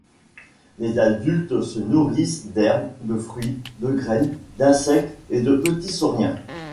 Les adultes se nourrissent d'herbe, de fruits, de graines, d'insectes et de petits sauriens.